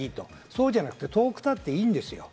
そうじゃなくて遠くたっていいんですよ。